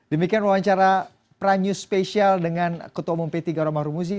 demikian wawancara prime news spesial dengan ketua umum p tiga romah rumuzi